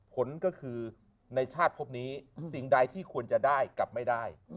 ผลก็คือในชาติพบนี้สิ่งใดที่ควรจะได้กลับไม่ได้